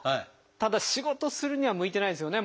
ただ仕事するには向いてないですよね。